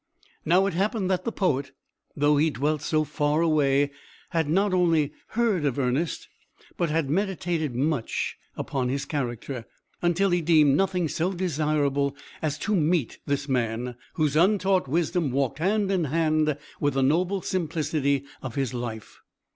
Now it happened that the poet, though he dwelt so far away, had not only heard of Ernest, but had meditated much upon his character, until he deemed nothing so desirable as to meet this man, whose untaught wisdom walked hand in hand with the noble simplicity of his life.